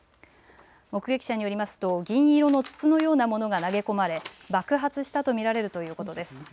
目撃者によりますと銀色の筒のようなものが投げ込まれ爆発したと見られるということです。